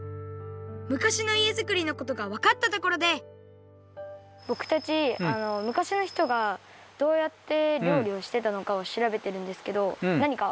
昔のいえづくりのことがわかったところでぼくたち昔の人がどうやって料理をしてたのかをしらべてるんですけどなにかわかりますか？